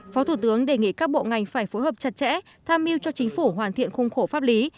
phó thủ tướng đề nghị các bộ ngành phải phối hợp chặt chẽ tham mưu cho chính phủ hoàn thiện khung khổ pháp lý